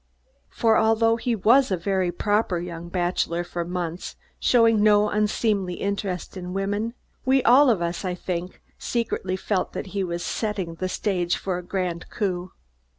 For although he was a very proper young bachelor for months, showing no unseemly interest in women, we all of us, I think, secretly felt that he was setting the stage for a "grand coup."